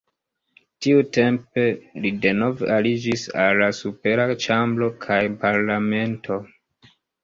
Tiutempe li denove aliĝis al la supera ĉambro kaj parlamento.